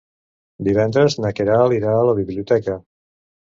Divendres na Queralt irà a la biblioteca.